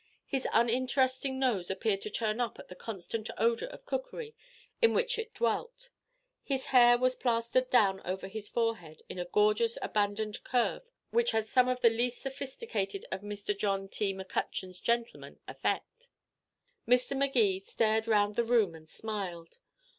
His uninteresting nose appeared to turn up at the constant odor of cookery in which it dwelt; his hair was plastered down over his forehead in a gorgeous abandoned curve such as some of the least sophisticated of Mr. John T. McCutcheon's gentlemen affect. Mr. Magee stared round the room and smiled.